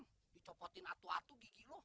dicokotin atu atu gigi lo